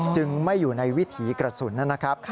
จึงไม่อยู่ในวิถีกระสุนนะครับ